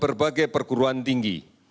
berbagai perguruan tinggi